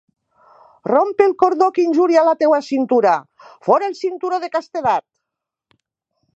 Romp el cordó que injuria la teua cintura! Fora el cinturó de castedat!